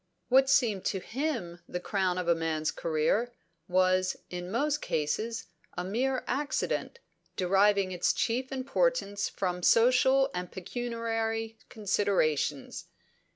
What seemed to him the crown of a man's career, was, in most cases, a mere incident, deriving its chief importance from social and pecuniary considerations.